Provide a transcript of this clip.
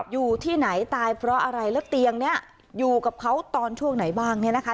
อยู่ที่ไหนตายเพราะอะไรแล้วเตียงนี้อยู่กับเขาตอนช่วงไหนบ้างเนี่ยนะคะ